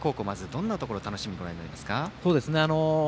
どんなところを楽しみにご覧になりますか。